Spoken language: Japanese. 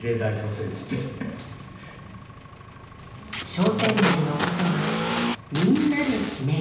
商店街のことはみんなで決める。